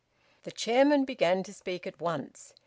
The chairman began to speak at once.